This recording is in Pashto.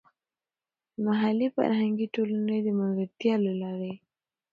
د محلي فرهنګي ټولنې د ملګرتیا له لارې.